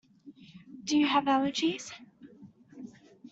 Do you have allergies?